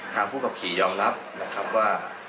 ผู้ขับขี่ยอมรับนะครับว่า